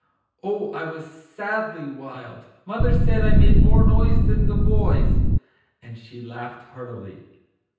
Oh, I was sadly wild ! Mother said I made 14 MAGIC WORDS. more noise than the boys \" And she laughed heartily.